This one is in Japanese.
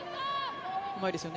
うまいですね